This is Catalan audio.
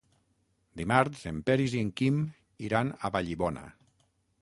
Dimarts en Peris i en Quim iran a Vallibona.